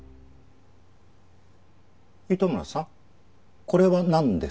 糸村さんこれはなんですか？